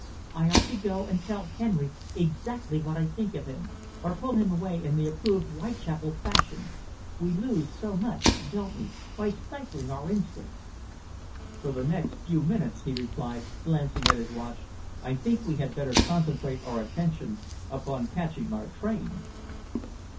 I ought to go and tell Henry exactly what I think of him, or pull him away in the approved Whitechapel fashion. We lose so much, don't we, by stifling our instincts." "For the next few minutes," he replied, glancing at his watch, "I think we had better concentrate our attention upon catching our train."